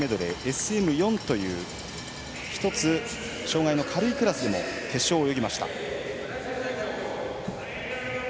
ＳＭ４という１つ障がいの軽いクラスでも決勝を泳ぎました。